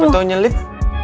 seperti tau nyelip